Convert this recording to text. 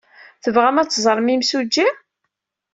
Tebɣam ad teẓrem imsujji?